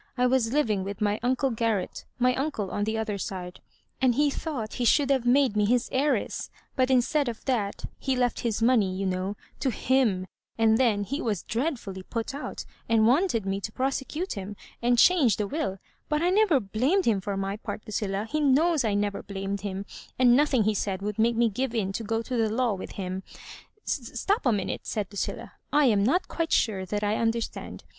I was living with my uncle Garret — my uncle on the other side ; and he thought he should have made me his heiress ; but instead of that, he left his money, you know, to him ; and then he was dreadfully put out, and wanted me to prosecute him and change the wUl; but I never blamed him, for my part, Lucilla — ^he knows I never blamed him — and nothing he said wou]d make me give in to go to the law with him "*' Stop a minute," said Lucilla, " I am not quite sure that I understand.